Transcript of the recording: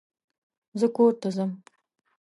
زه کور ته ځم.